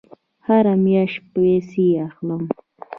هره میاشت پیسې اخلم